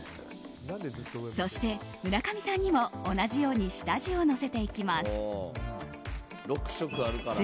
そして、村上さんにも同じように下地をのせていきます。